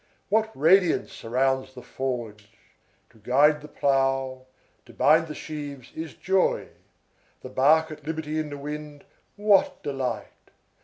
What radiance surrounds the forge! To guide the plough, to bind the sheaves, is joy. The bark at liberty in the wind, what delight!